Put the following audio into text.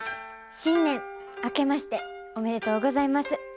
新年明けましておめでとうございます。